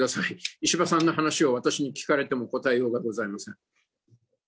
石破さんの話を私に聞かれても答えようがございません。